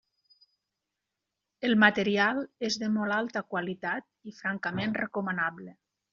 El material és de molta alta qualitat i francament recomanable.